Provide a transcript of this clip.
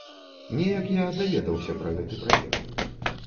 Неяк я даведаўся пра гэты праект.